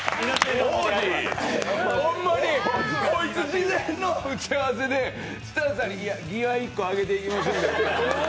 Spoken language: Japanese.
ほんまに、こいつ事前の打ち合わせでスタッフさんにギア一個上げていきましょうねって。